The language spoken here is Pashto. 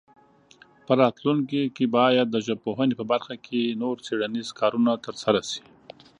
په راتلونکي کې باید د ژبپوهنې په برخه کې نور څېړنیز کارونه ترسره شي.